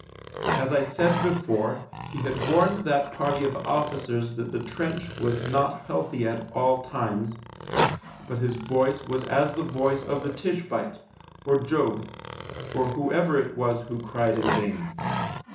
As I said before, he had warned that party of officers that the trench was not healthy at all times, but his voice was as the voice of the Tishbite, or Job, or whoever it was who cried in vain.